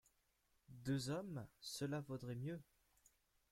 Deux hommes, cela vaudrait mieux.